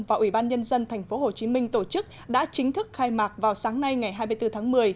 và ủy ban nhân dân tp hcm tổ chức đã chính thức khai mạc vào sáng nay ngày hai mươi bốn tháng một mươi